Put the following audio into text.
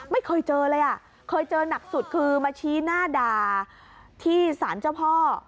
ไม่เคยเจอเลยอ่ะเคยเจอหนักสุดคือมาชี้หน้าด่าที่สารเจ้าพ่อ